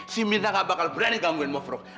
si minah gak bakal berani gangguin mofrok